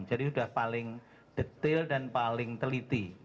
jadi sudah paling detail dan paling teliti